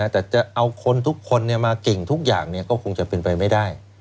แต่จะเอาคนทุกคนมาเก่งทุกอย่างก็คงจะเป็นไปไม่ได้